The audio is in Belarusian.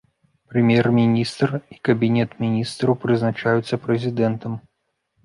Прэм'ер-міністр і кабінет міністраў прызначаюцца прэзідэнтам.